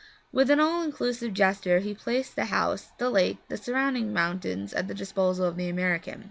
With an all inclusive gesture he placed the house, the lake, the surrounding mountains, at the disposal of the American.